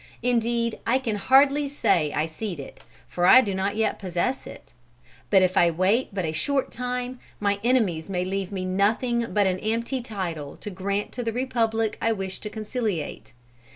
Indeed I can hardly say I cede it, for I do not yet possess it. And if I wait but a short time, my enemies may leave me nothing but an empty title to grant to the Republic I wish to conciliate.